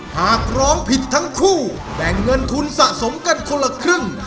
หากร้องผิดทั้งคู่แบ่งเงินทุนสะสมกันคนละครึ่ง